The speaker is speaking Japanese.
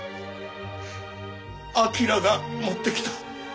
彬が持ってきた。